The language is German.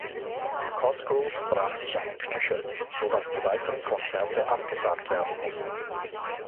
Cosgrove brach sich einen Knöchel, so dass die weiteren Konzerte abgesagt werden mussten.